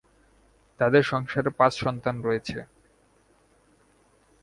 তাদের সংসারে পাঁচ সন্তান রয়েছে।